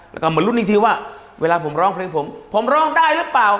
แล้วก็มาลุ้นอีกทีว่าเวลาผมร้องเพลงผมผมร้องได้หรือเปล่า